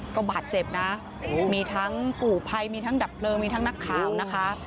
ก็บาดเจ็บนะมีทั้งปู่ภัยมีทั้งดับเพลิงมีทั้งนักข่าวนะคะ